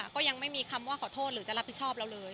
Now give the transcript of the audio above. ก็ยังไม่มีคำว่าขอโทษหรือจะรับผิดชอบเราเลย